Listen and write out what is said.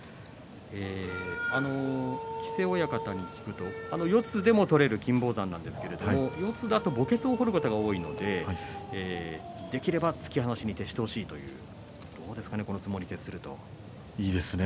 木瀬親方に聞くと四つでも取れる金峰山なんですが四つだと墓穴を掘ることが多いのでできれば突き放しに徹してほしいという、どうですかね